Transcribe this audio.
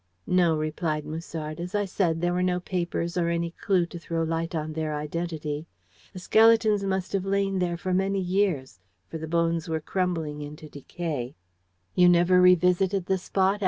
"No," replied Musard. "As I said, there were no papers or any clue to throw light on their identity. The skeletons must have lain there for many years, for the bones were crumbling into decay." "You have never revisited the spot?"